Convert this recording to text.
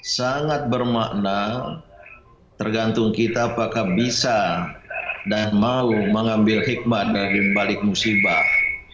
sangat bermakna tergantung kita apakah bisa dan mau mengambil hikmat dari balik musibah